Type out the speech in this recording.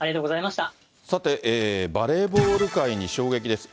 さて、バレーボール界に衝撃です。